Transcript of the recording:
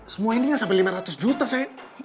semua ini gak sampai lima ratus juta sayang